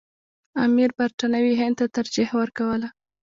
امیر برټانوي هند ته ترجیح ورکوله.